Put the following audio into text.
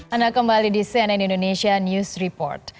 anda kembali di cnn indonesia news report